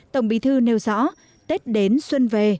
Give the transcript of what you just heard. tổng bí thư nêu rõ tết đến xuân về